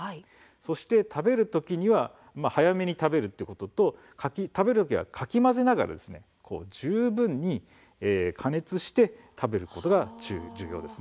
そして食べる時には早めに食べるということと食べる時は、かき混ぜながら十分に加熱して食べることが重要です。